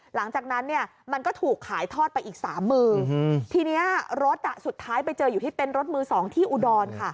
หลังจากนั้นเนี่ยมันก็ถูกขายทอดไปอีกสามมือทีนี้รถสุดท้ายไปเจออยู่ที่เต็นต์รถมือสองที่อุดรค่ะ